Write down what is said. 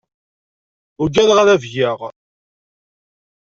Ugadeɣ ad afgeɣ.